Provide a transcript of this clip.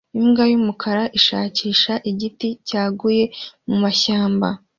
Imbwa yumukara ishakisha igiti cyaguye mumashyamba